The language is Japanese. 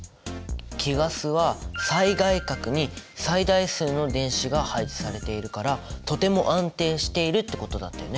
貴ガスは最外殻に最大数の電子が配置されているからとても安定しているってことだったよね。